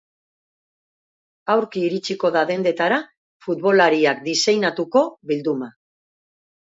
Aurki iritsiko da dendetara futbolariak diseinatuko bilduma.